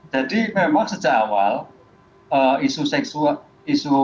jadi memang sejak awal isu kekerasan seksual